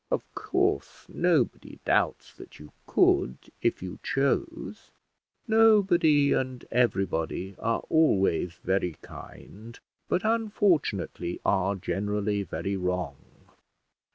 Of course nobody doubts that you could, if you chose." "Nobody and everybody are always very kind, but unfortunately are generally very wrong."